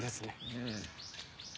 うん。